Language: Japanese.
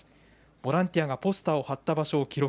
ボランティアがポスターを張った場所を記録。